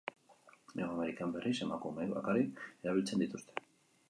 Hego Amerikan, berriz, emakumeek bakarrik erabiltzen dituzte.